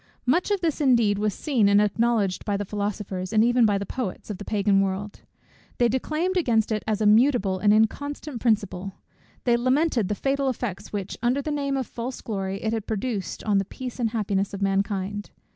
Much of this indeed was seen and acknowledged by the philosophers, and even by the poets, of the Pagan world. They declaimed against it as a mutable and inconsistent principle; they lamented the fatal effects which, under the name of false glory, it had produced on the peace and happiness of mankind.